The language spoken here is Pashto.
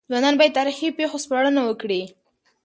ځوانان بايد د تاريخي پېښو سپړنه وکړي.